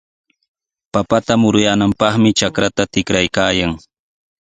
Papata muruyaananpaqmi trakrta tikraykaayan.